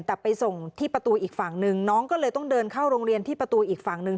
แต่ไปส่งที่ประตูอีกฝั่งหนึ่งน้องก็เลยต้องเดินเข้าโรงเรียนที่ประตูอีกฝั่งหนึ่ง